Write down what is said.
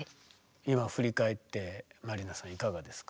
今振り返って麻里奈さんいかがですか？